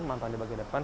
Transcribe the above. pemantuan di bagian depan